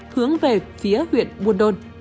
hướng về phía huyện buồn đôn